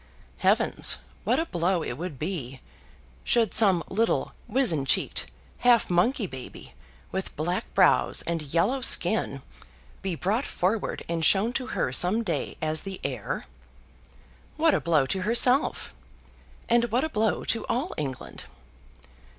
Heavens, what a blow would it be, should some little wizen cheeked half monkey baby, with black brows, and yellow skin, be brought forward and shown to her some day as the heir! What a blow to herself; and what a blow to all England!